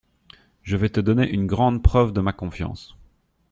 Je vais te donner une grande preuve de ma confiance…